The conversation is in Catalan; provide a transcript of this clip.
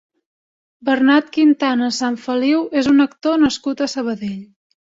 Bernat Quintana Sanfeliu és un actor nascut a Sabadell.